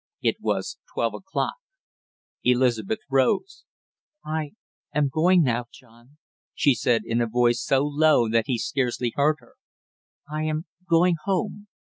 It was twelve o'clock. Elizabeth rose. "I am going now John " she said, in a voice so low that he scarcely heard her. "I am going home.